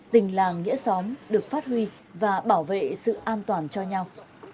tình làng nghĩa xóm được phát huy và bảo vệ sự an toàn cho nhau